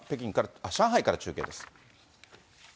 上海から中継です。